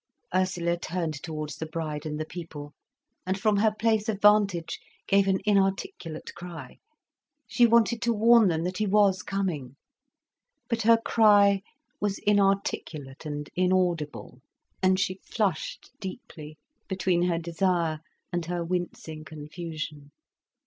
Ursula turned towards the bride and the people, and, from her place of vantage, gave an inarticulate cry. She wanted to warn them that he was coming. But her cry was inarticulate and inaudible, and she flushed deeply, between her desire and her wincing confusion.